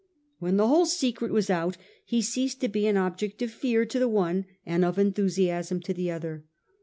"When the whole secret was out, he ceased to be an object of fear to the one, and of enthusiasm to the other.